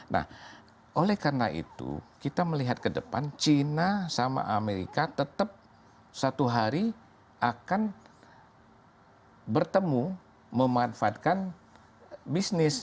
nah oleh karena itu kita melihat ke depan china sama amerika tetap satu hari akan bertemu memanfaatkan bisnis